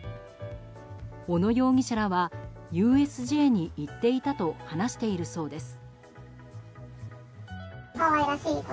小野容疑者らはＵＳＪに行っていたと話しているそうです。